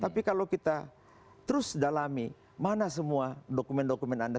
tapi kalau kita terus dalami mana semua dokumen dokumen anda